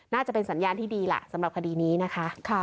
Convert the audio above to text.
น่าจะเป็นสัญญาณที่ดีล่ะสำหรับคดีนี้นะคะ